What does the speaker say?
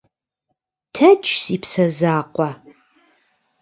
Тэдж, си псэ закъуэ.